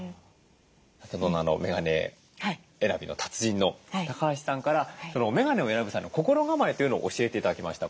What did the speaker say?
大人のメガネ選びの達人の橋さんからメガネを選ぶ際の心構えというのを教えて頂きました。